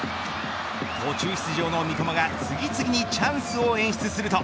途中出場の三笘が次々にチャンスを演出すると。